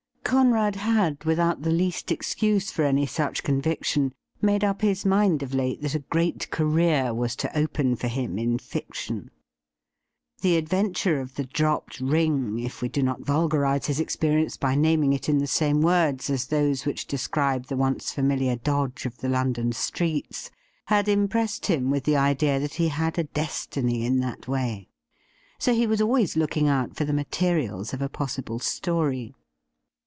CoNRAD had, without the least excuse for any such con viction, made up his mind of late that a great career was to open for him in fiction. The adventiure of the dropped ring, if we do not vulgarize his experience by naming it in MR. ALBERT EDWARD WALEY 33 the same words as those which describe the once familiar dodge of the London streets, had impressed him with the idea that he had a destiny in that way. So he was always looking out for the materials of a possible story.